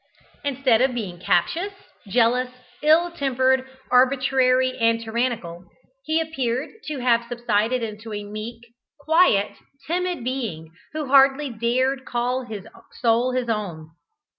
Instead of being captious, jealous, ill tempered, arbitrary, and tyrannical, he appeared to have subsided into a meek, quiet, timid being, who hardly dared call his soul his own.